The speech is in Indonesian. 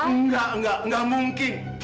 enggak enggak enggak mungkin